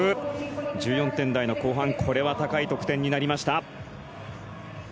１４点台の後半これは高い得点になりました。